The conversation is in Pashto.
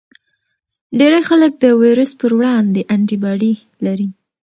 ډیری خلک د ویروس پر وړاندې انټي باډي لري.